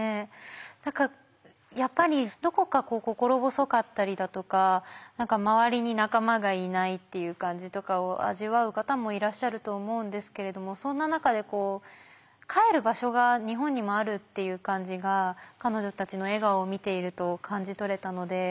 何かやっぱりどこか心細かったりだとか周りに仲間がいないっていう感じとかを味わう方もいらっしゃると思うんですけれどもそんな中でこう帰る場所が日本にもあるっていう感じが彼女たちの笑顔を見ていると感じ取れたので。